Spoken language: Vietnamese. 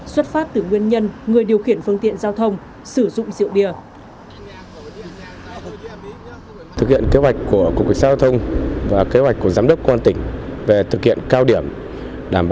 xuất phát từ nguyên nhân người điều khiển phương tiện giao thông sử dụng rượu bia